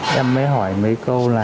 em mới hỏi mấy câu là